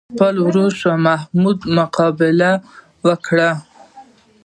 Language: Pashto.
د خپل ورور شاه محمود مقابله وکړي.